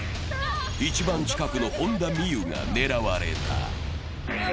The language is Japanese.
一番近くの本田望結が狙われた。